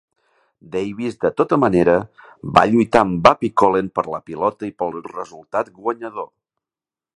Davis, de tota manera, va lluitar amb Babb i Kolen per la pilota i pel resultat guanyador.